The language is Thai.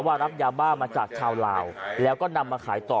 รับยาบ้ามาจากชาวลาวแล้วก็นำมาขายต่อ